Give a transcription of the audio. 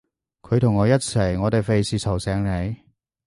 佢同我一齊，我哋費事嘈醒你